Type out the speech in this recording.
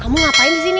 kamu ngapain di sini